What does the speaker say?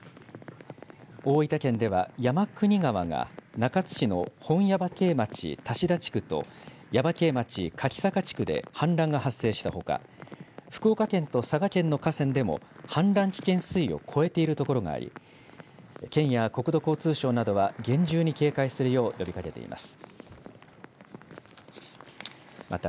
大分県では山国川が、中津市の本耶馬渓町多志田地区と耶馬溪町柿坂地区で氾濫が発生したほか、福岡県と佐賀県の河川でも、氾濫危険水位を超えている所があり、県や国土交通省などは厳重に警戒するよう呼びかけています。